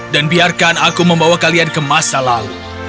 dan biarkan aku membawa kalian ke masa lalu